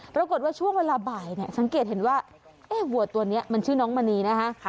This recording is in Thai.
ปรากฏว่าช่วงเวลาบ่ายเนี่ยสังเกตเห็นว่าวัวตัวนี้มันชื่อน้องมณีนะคะ